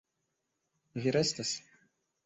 Vi restas?